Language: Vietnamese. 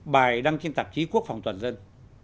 bài đăng trên tạp chí quốc phòng toàn dân